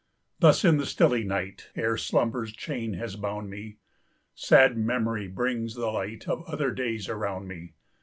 Thus in the stilly night, Ere slumber's chain has bound me, Sad Memory brings the light Of other days around me.